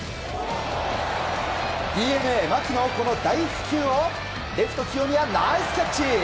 ＤｅＮＡ、牧の大飛球をレフト清宮、ナイスキャッチ！